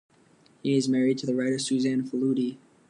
He is married to the writer Susan Faludi.